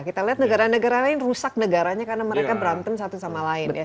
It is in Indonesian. kita lihat negara negara lain rusak negaranya karena mereka berantem satu sama lain ya